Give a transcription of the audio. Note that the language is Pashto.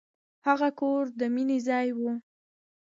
هغه کور د مینې ځای و.